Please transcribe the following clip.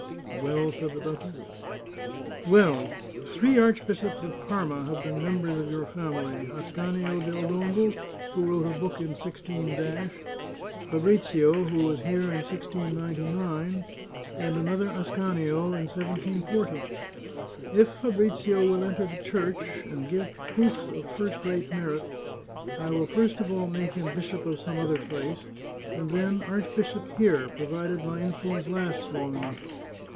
" Well ?" said the duchess. " Well ! Three Archbishops of Parma have been mem bers of your family — Ascanio del Dongo, who wrote a book in i6 —; Fabrizio, who was here in 1699; and another Ascanio, in 1740. If Fabrizio will enter the Church, and 123 The Chartreuse of Parma give proofs of first rate merit, I will first of all make him bishop of some other place, and then archbishop here, pro vided my influence lasts long enough.